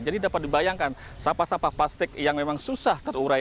jadi dapat dibayangkan sampah sampah plastik yang memang susah terurai